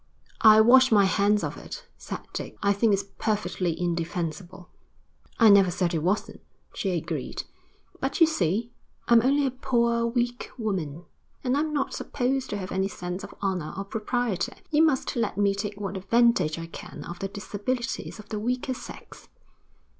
'I wash my hands of it,' said Dick. 'I think it's perfectly indefensible.' 'I never said it wasn't,' she agreed. 'But you see, I'm only a poor, weak woman, and I'm not supposed to have any sense of honour or propriety. You must let me take what advantage I can of the disabilities of the weaker sex.'